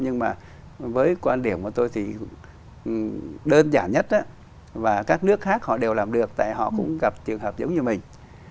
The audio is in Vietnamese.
nhưng mà với quan điểm của tôi thì đơn giản nhất và các nước khác họ đều làm được tại họ cũng gặp trường hợp giống như mình